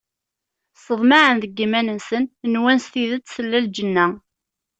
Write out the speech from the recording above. Seḍmaɛen deg iman-nsen, nwan s tidet tella lǧenna.